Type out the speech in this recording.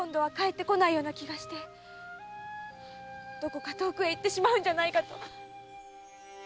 どこか遠くへ行ってしまうんじゃないかと。